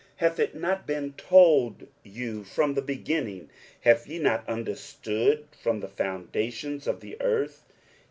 hath it not been told you from the beginning? have ye not understood from the foundations of the earth?